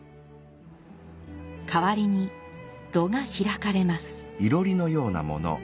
かわりに炉が開かれます。